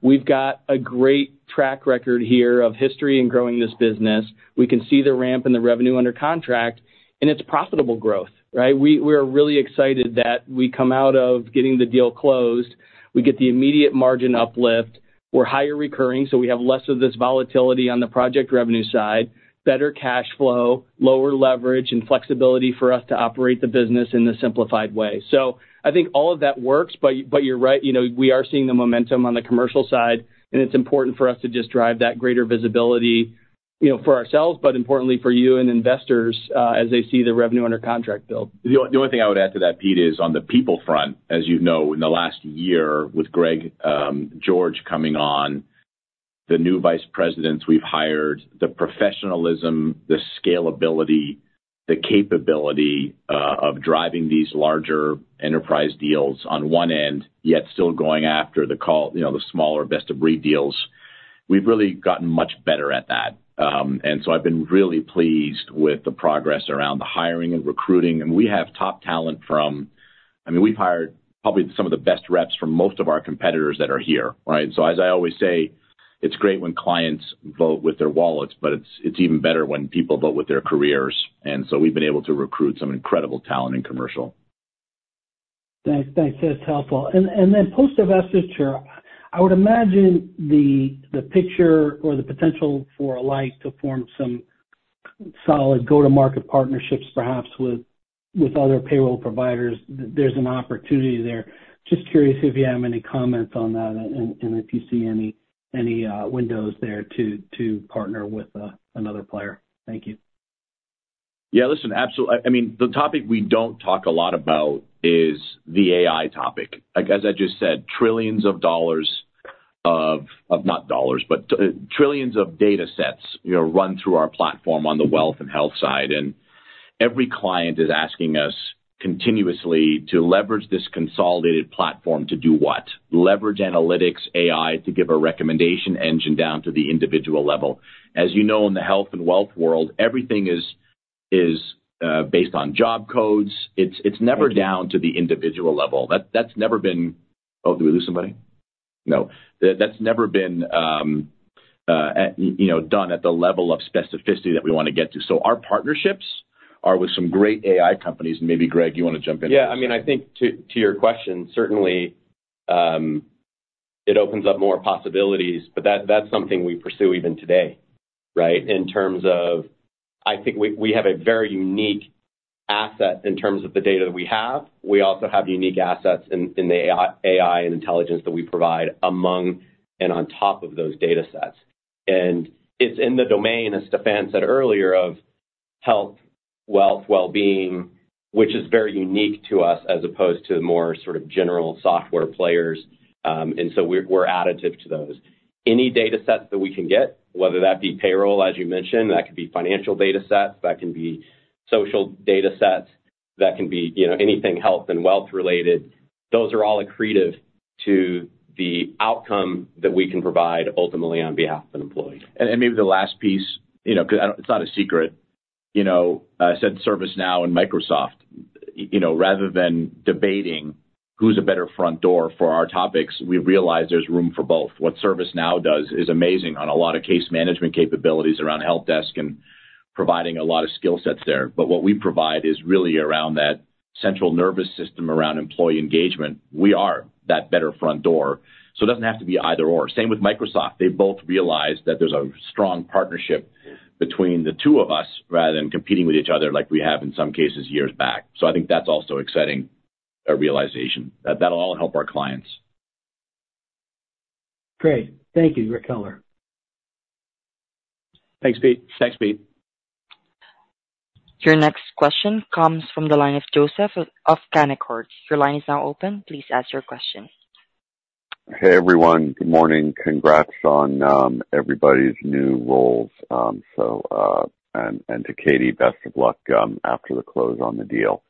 we've got a great track record here of history in growing this business. We can see the ramp and the revenue under contract. And it's profitable growth, right? We are really excited that we come out of getting the deal closed. We get the immediate margin uplift. We're higher recurring, so we have less of this volatility on the project revenue side, better cash flow, lower leverage, and flexibility for us to operate the business in a simplified way. So I think all of that works. But you're right. We are seeing the momentum on the commercial side. And it's important for us to just drive that greater visibility for ourselves, but importantly for you and investors as they see the revenue under contract build. The only thing I would add to that, Pete, is on the people front, as you know, in the last year with Greg George coming on, the new vice presidents we've hired, the professionalism, the scalability, the capability of driving these larger enterprise deals on one end, yet still going after the smaller, best-of-breed deals, we've really gotten much better at that. And so I've been really pleased with the progress around the hiring and recruiting. And we have top talent from I mean, we've hired probably some of the best reps from most of our competitors that are here, right? So as I always say, it's great when clients vote with their wallets, but it's even better when people vote with their careers. And so we've been able to recruit some incredible talent in commercial. Thanks. Thanks. That's helpful. And then post-divestiture churn, I would imagine the picture or the potential for Alight to form some solid go-to-market partnerships, perhaps with other payroll providers, there's an opportunity there. Just curious if you have any comments on that and if you see any windows there to partner with another player. Thank you. Yeah. Listen, I mean, the topic we don't talk a lot about is the AI topic. As I just said, trillions of dollars of not dollars, but trillions of datasets run through our platform on the wealth and health side. And every client is asking us continuously to leverage this consolidated platform to do what? Leverage analytics, AI, to give a recommendation engine down to the individual level. As you know, in the health and wealth world, everything is based on job codes. It's never down to the individual level. That's never been oh, did we lose somebody? No. That's never been done at the level of specificity that we want to get to. So our partnerships are with some great AI companies. And maybe, Greg, you want to jump in. Yeah. I mean, I think to your question, certainly, it opens up more possibilities. But that's something we pursue even today, right, in terms of I think we have a very unique asset in terms of the data that we have. We also have unique assets in the AI and intelligence that we provide among and on top of those datasets. And it's in the domain, as Stephan said earlier, of health, wealth, well-being, which is very unique to us as opposed to the more sort of general software players. And so we're additive to those. Any datasets that we can get, whether that be payroll, as you mentioned, that could be financial datasets. That can be social datasets. That can be anything health and wealth-related. Those are all accretive to the outcome that we can provide ultimately on behalf of an employee. And maybe the last piece because it's not a secret. I said ServiceNow and Microsoft. Rather than debating who's a better front door for our topics, we realize there's room for both. What ServiceNow does is amazing on a lot of case management capabilities around helpdesk and providing a lot of skill sets there. But what we provide is really around that central nervous system around employee engagement. We are that better front door. So it doesn't have to be either/or. Same with Microsoft. They both realize that there's a strong partnership between the two of us rather than competing with each other like we have in some cases years back. So I think that's also exciting, a realization. That'll all help our clients. Great. Thank you, great color. Thanks, Pete. Thanks, Pete. Your next question comes from the line of Joseph of Canaccord. Your line is now open. Please ask your question. Hey, everyone. Good morning. Congrats on everybody's new roles. And to Katie, best of luck after the close on the deal.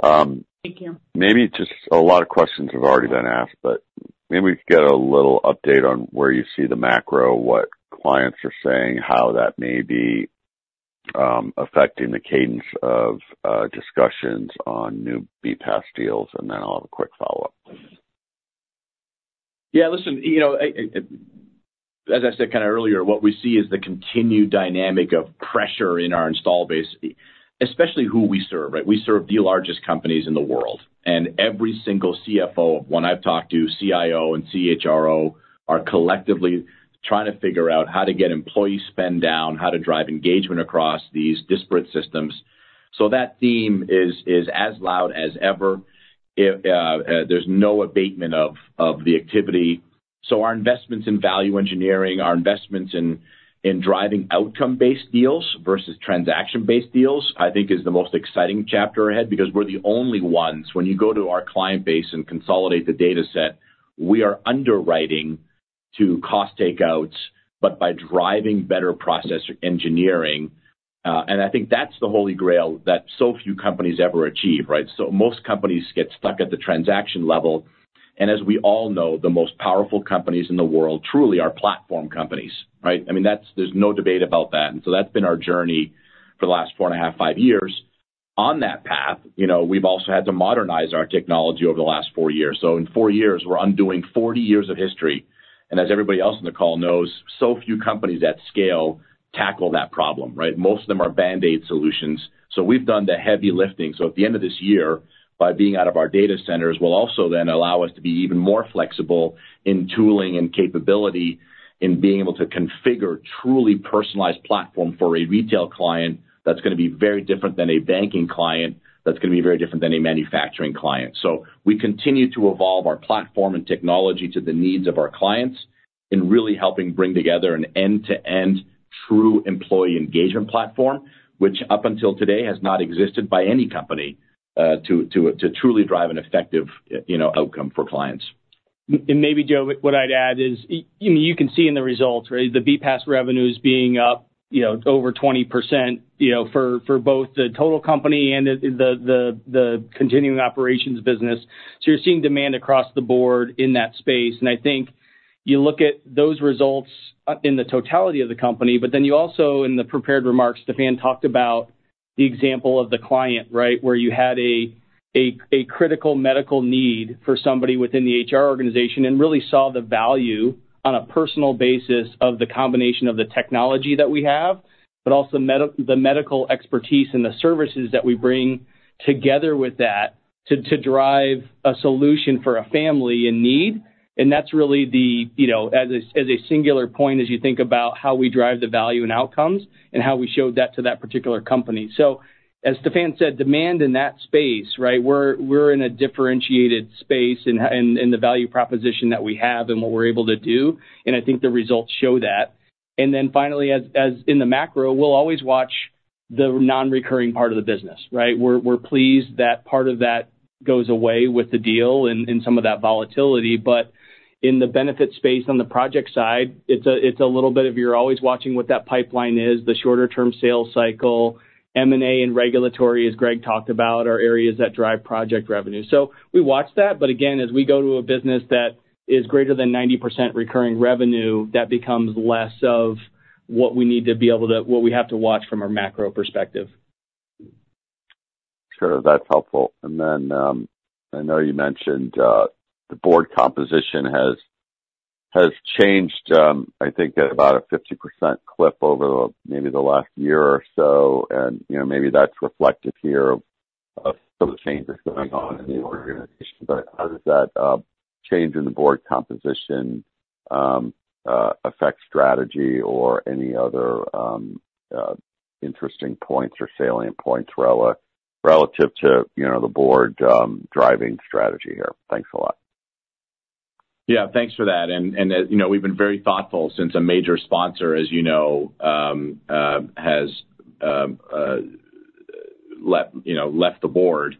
Thank you. Maybe just a lot of questions have already been asked, but maybe we could get a little update on where you see the macro, what clients are saying, how that may be affecting the cadence of discussions on new BPaaS deals. And then I'll have a quick follow-up. Yeah. Listen, as I said kind of earlier, what we see is the continued dynamic of pressure in our install base, especially who we serve, right? We serve the largest companies in the world. Every single CFO of one I've talked to, CIO and CHRO, are collectively trying to figure out how to get employee spend down, how to drive engagement across these disparate systems. That theme is as loud as ever. There's no abatement of the activity. Our investments in value engineering, our investments in driving outcome-based deals versus transaction-based deals, I think, is the most exciting chapter ahead because we're the only ones. When you go to our client base and consolidate the dataset, we are underwriting to cost takeouts, but by driving better process engineering. I think that's the holy grail that so few companies ever achieve, right? So most companies get stuck at the transaction level. And as we all know, the most powerful companies in the world truly are platform companies, right? I mean, there's no debate about that. And so that's been our journey for the last 4.5-5 years. On that path, we've also had to modernize our technology over the last 4 years. So in 4 years, we're undoing 40 years of history. And as everybody else on the call knows, so few companies at scale tackle that problem, right? Most of them are Band-Aid solutions. So we've done the heavy lifting. So, at the end of this year, by being out of our data centers, will also then allow us to be even more flexible in tooling and capability in being able to configure truly personalized platform for a retail client that's going to be very different than a banking client that's going to be very different than a manufacturing client. So we continue to evolve our platform and technology to the needs of our clients in really helping bring together an end-to-end true employee engagement platform, which up until today has not existed by any company to truly drive an effective outcome for clients. And maybe, Joe, what I'd add is, I mean, you can see in the results, right, the BPaaS revenues being up over 20% for both the total company and the continuing operations business. So you're seeing demand across the board in that space. And I think you look at those results in the totality of the company, but then you also, in the prepared remarks, Stephan talked about the example of the client, right, where you had a critical medical need for somebody within the HR organization and really saw the value on a personal basis of the combination of the technology that we have, but also the medical expertise and the services that we bring together with that to drive a solution for a family in need. That's really the, as a singular point, as you think about how we drive the value and outcomes and how we showed that to that particular company. As Stephan said, demand in that space, right? We're in a differentiated space in the value proposition that we have and what we're able to do. I think the results show that. Then finally, in the macro, we'll always watch the non-recurring part of the business, right? We're pleased that part of that goes away with the deal and some of that volatility. But in the benefit space on the project side, it's a little bit. You're always watching what that pipeline is, the shorter-term sales cycle, M&A and regulatory, as Greg talked about, are areas that drive project revenue. We watch that. But again, as we go to a business that is greater than 90% recurring revenue, that becomes less of what we have to watch from a macro perspective. Sure. That's helpful. And then I know you mentioned the board composition has changed, I think, at about a 50% clip over maybe the last year or so. And maybe that's reflective here of some changes going on in the organization. But how does that change in the board composition affect strategy or any other interesting points or salient points relative to the board driving strategy here? Thanks a lot. Yeah. Thanks for that. And we've been very thoughtful since a major sponsor, as you know, has left the board.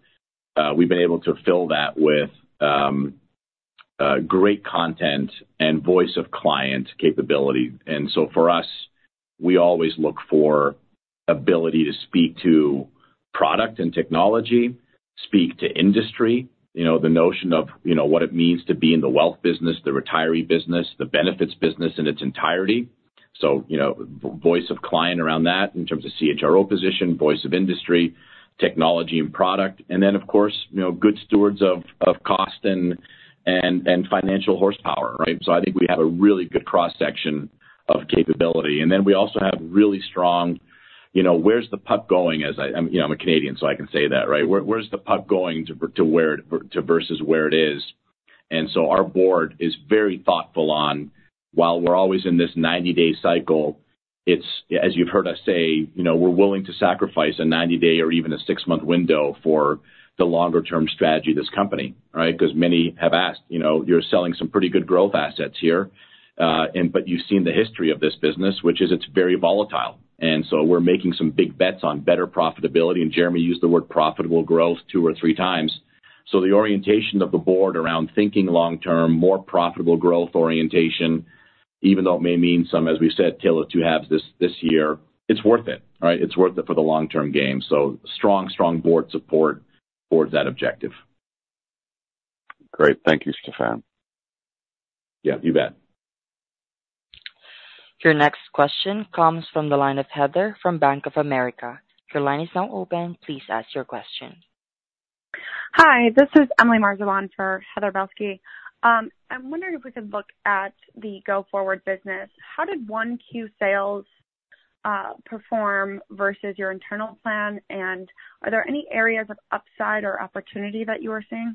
We've been able to fill that with great content and voice-of-client capability. And so for us, we always look for ability to speak to product and technology, speak to industry, the notion of what it means to be in the wealth business, the retiree business, the benefits business in its entirety. So voice-of-client around that in terms of CHRO position, voice of industry, technology and product. And then, of course, good stewards of cost and financial horsepower, right? So I think we have a really good cross-section of capability. And then we also have really strong where's the puck going as I'm a Canadian, so I can say that, right? Where's the puck going versus where it is? And so our board is very thoughtful on while we're always in this 90-day cycle, as you've heard us say, we're willing to sacrifice a 90-day or even a 6-month window for the longer-term strategy of this company, right? Because many have asked, "You're selling some pretty good growth assets here." But you've seen the history of this business, which is it's very volatile. And so we're making some big bets on better profitability. And Jeremy used the word profitable growth 2 or 3 times. So the orientation of the board around thinking long-term, more profitable growth orientation, even though it may mean some, as we said, tale of two halves this year, it's worth it, right? It's worth it for the long-term game. So strong, strong board support towards that objective. Great. Thank you, Stephan. Yeah. You bet. Your next question comes from the line of Heather from Bank of America. Your line is now open. Please ask your question. Hi. This is Emily Marzo for Heather Balsky. I'm wondering if we could look at the go-forward business. How did 1Q sales perform versus your internal plan? And are there any areas of upside or opportunity that you are seeing?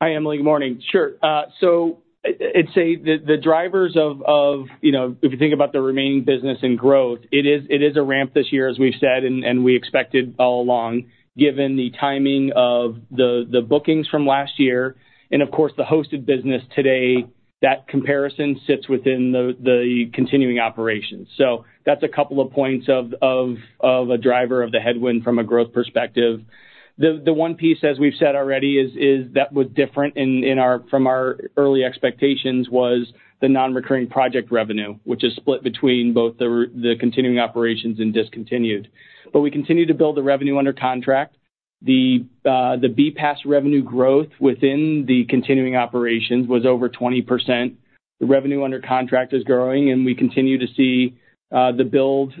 Hi, Emily. Good morning. Sure. So I'd say the drivers of if you think about the remaining business and growth, it is a ramp this year, as we've said, and we expected all along given the timing of the bookings from last year. And of course, the hosted business today, that comparison sits within the continuing operations. So that's a couple of points of a driver of the headwind from a growth perspective. The one piece, as we've said already, is that was different from our early expectations was the non-recurring project revenue, which is split between both the continuing operations and discontinued. But we continue to build the revenue under contract. The BPaaS revenue growth within the continuing operations was over 20%. The revenue under contract is growing. And we continue to see the build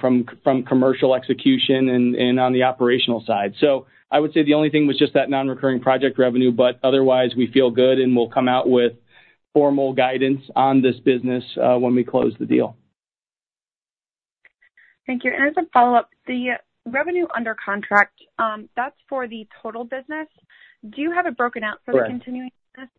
from commercial execution and on the operational side. I would say the only thing was just that non-recurring project revenue. Otherwise, we feel good. We'll come out with formal guidance on this business when we close the deal. Thank you. As a follow-up, the revenue under contract, that's for the total business. Do you have it broken out for the continuing business?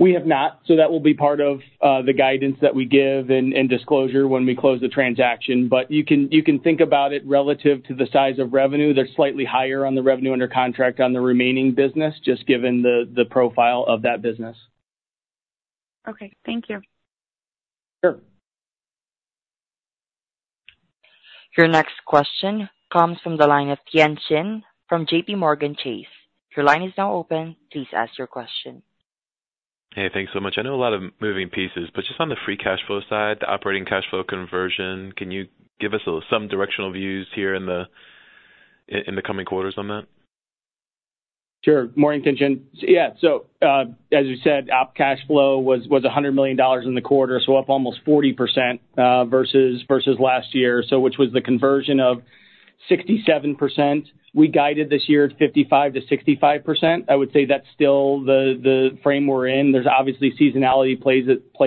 We have not. So that will be part of the guidance that we give and disclosure when we close the transaction. But you can think about it relative to the size of revenue. They're slightly higher on the revenue under contract on the remaining business just given the profile of that business. Okay. Thank you. Sure. Your next question comes from the line of Tien-tsin Huang from JPMorgan Chase. Your line is now open. Please ask your question. Hey. Thanks so much. I know a lot of moving pieces. But just on the free cash flow side, the operating cash flow conversion, can you give us some directional views here in the coming quarters on that? Sure. Morning, Tien-tsin. Yeah. So as we said, op cash flow was $100 million in the quarter. So up almost 40% versus last year, which was the conversion of 67%. We guided this year at 55%-65%. I would say that's still the frame we're in. There's obviously seasonality plays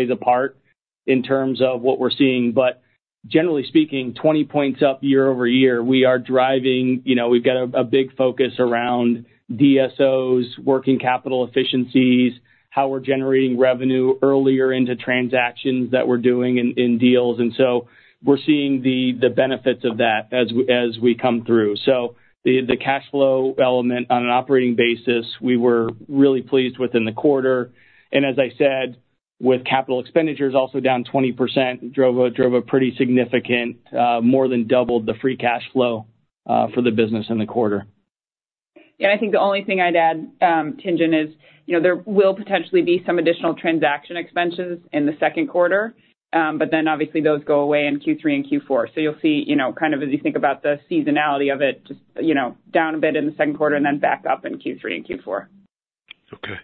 a part in terms of what we're seeing. But generally speaking, 20 points up year-over-year, we are driving we've got a big focus around DSOs, working capital efficiencies, how we're generating revenue earlier into transactions that we're doing in deals. And so we're seeing the benefits of that as we come through. So the cash flow element on an operating basis, we were really pleased with in the quarter. As I said, with capital expenditures also down 20%, drove a pretty significant more than doubled the free cash flow for the business in the quarter. Yeah. I think the only thing I'd add, Tien-tsin, is there will potentially be some additional transaction expenses in the second quarter. But then obviously, those go away in Q3 and Q4. So you'll see kind of as you think about the seasonality of it just down a bit in the second quarter and then back up in Q3 and Q4. Okay.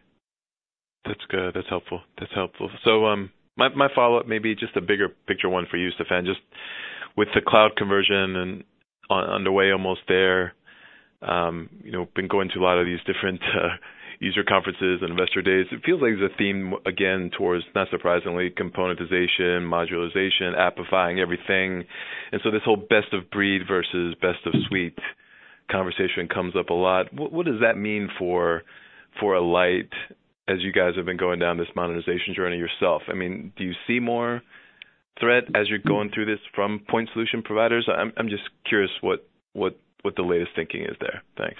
That's good. That's helpful. That's helpful. So my follow-up, maybe just a bigger picture one for you, Stephan, just with the cloud conversion underway almost there. Been going to a lot of these different user conferences and investor days, it feels like there's a theme again towards, not surprisingly, componentization, modularization, appifying everything. And so this whole best of breed versus best of suite conversation comes up a lot. What does that mean for Alight as you guys have been going down this modernization journey yourself? I mean, do you see more threat as you're going through this from point solution providers? I'm just curious what the latest thinking is there. Thanks.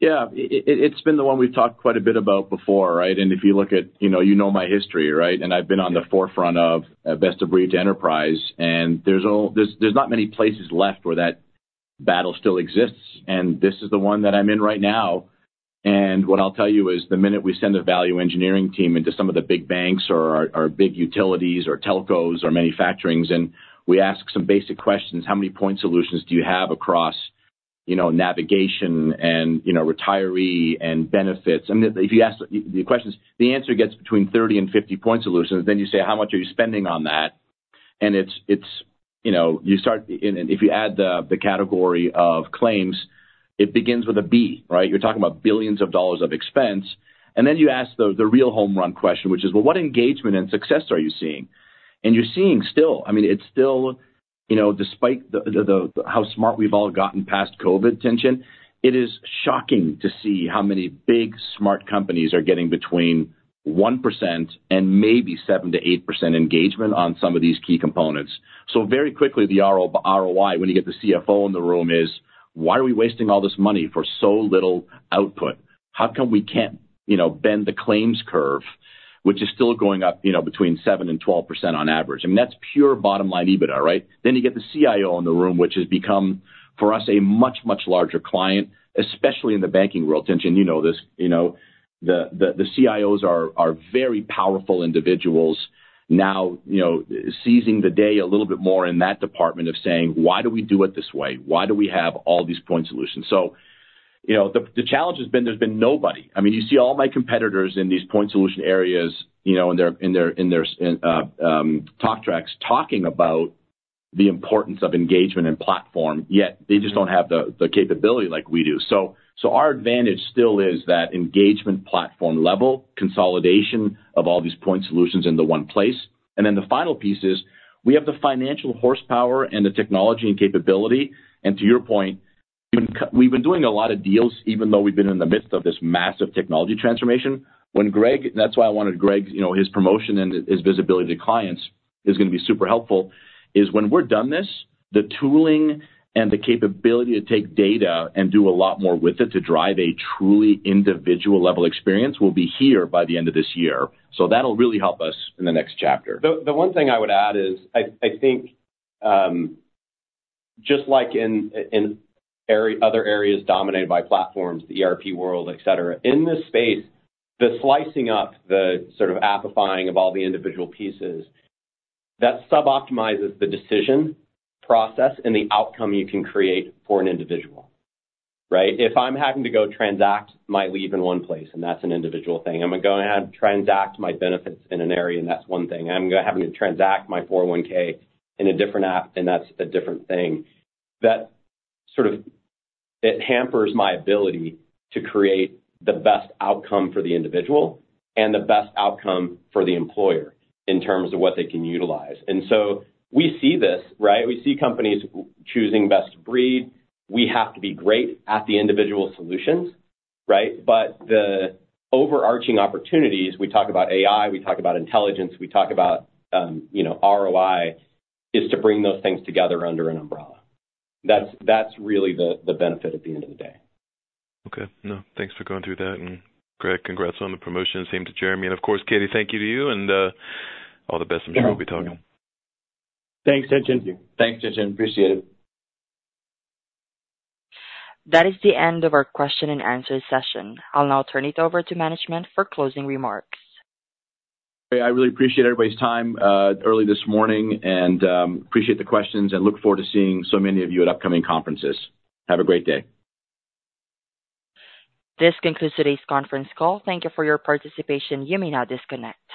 Yeah. It's been the one we've talked quite a bit about before, right? And if you look at you know my history, right? And I've been on the forefront of best of breed to enterprise. And there's not many places left where that battle still exists. And this is the one that I'm in right now. And what I'll tell you is the minute we send a value engineering team into some of the big banks or big utilities or telcos or manufacturings, and we ask some basic questions, "How many point solutions do you have across navigation and retiree and benefits?" I mean, if you ask the questions, the answer gets between 30 and 50 point solutions. Then you say, "How much are you spending on that?" And you start and if you add the category of claims, it begins with a B, right? You're talking about billions of dollars of expense. Then you ask the real home run question, which is, "Well, what engagement and success are you seeing?" And you're seeing still I mean, it's still despite how smart we've all gotten past COVID, Tien-tsin Huang, it is shocking to see how many big, smart companies are getting between 1% and maybe 7%-8% engagement on some of these key components. So very quickly, the ROI when you get the CFO in the room is, "Why are we wasting all this money for so little output? How come we can't bend the claims curve, which is still going up between 7%-12% on average?" I mean, that's pure bottom-line EBITDA, right? Then you get the CIO in the room, which has become for us a much, much larger client, especially in the banking world. Tien-tsin Huang, you know this. The CIOs are very powerful individuals now seizing the day a little bit more in that department of saying, "Why do we do it this way? Why do we have all these point solutions?" So the challenge has been there's been nobody. I mean, you see all my competitors in these point solution areas in their talk tracks talking about the importance of engagement and platform, yet they just don't have the capability like we do. So our advantage still is that engagement platform level, consolidation of all these point solutions in the one place. And then the final piece is we have the financial horsepower and the technology and capability. And to your point, we've been doing a lot of deals even though we've been in the midst of this massive technology transformation. And that's why I wanted Greg's promotion and his visibility to clients is going to be super helpful, is when we're done this, the tooling and the capability to take data and do a lot more with it to drive a truly individual-level experience will be here by the end of this year. So that'll really help us in the next chapter. The one thing I would add is I think just like in other areas dominated by platforms, the ERP world, etc., in this space, the slicing up, the sort of appifying of all the individual pieces, that suboptimizes the decision process and the outcome you can create for an individual, right? If I'm having to go transact my leave in one place, and that's an individual thing, I'm going to go ahead and transact my benefits in an area, and that's one thing. I'm having to transact my 401(k) in a different app, and that's a different thing. It hampers my ability to create the best outcome for the individual and the best outcome for the employer in terms of what they can utilize. And so we see this, right? We see companies choosing best of breed. We have to be great at the individual solutions, right? But the overarching opportunities - we talk about AI, we talk about intelligence, we talk about ROI - is to bring those things together under an umbrella. That's really the benefit at the end of the day. Okay. No. Thanks for going through that. And Greg, congrats on the promotion. Same to Jeremy. And of course, Katie, thank you to you. And all the best. I'm sure we'll be talking. Thanks, Tien-tsin Huang. Thank you. Thanks, Tien-tsin Huang. Appreciate it. That is the end of our question-and-answer session. I'll now turn it over to management for closing remarks. I really appreciate everybody's time early this morning. Appreciate the questions. Look forward to seeing so many of you at upcoming conferences. Have a great day. This concludes today's conference call. Thank you for your participation. You may now disconnect.